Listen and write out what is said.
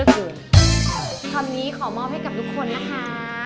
คำนี้ขอมอบให้กับทุกคนนะคะ